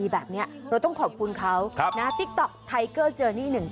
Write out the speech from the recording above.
แบบนี้เราต้องขอบคุณเขานะติ๊กต๊อกไทเกอร์เจอนี่หนึ่ง